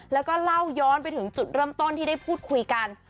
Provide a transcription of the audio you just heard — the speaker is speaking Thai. แล้วก็เล่าย้อนไปถึงจุดเริ่มต้นที่ได้พูดคุยกัน